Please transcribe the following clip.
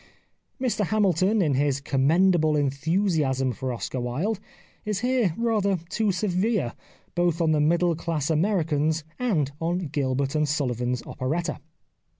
Mr Hamilton in his 208 The Life of Oscar Wilde commendable enthusiasm for Oscar Wilde is here rather too severe both on the middle class Americans and on Gilbert and Sullivan's operetta.